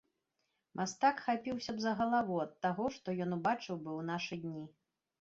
Мастак хапіўся б за галаву ад таго, што ён убачыў бы ў нашы дні.